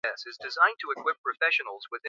Akishinda magoli mawili na kuwa shujaa wa timu